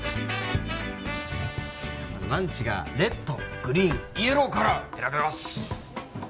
ランチがレッドグリーンイエローから選べます